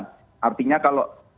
dan artinya kalau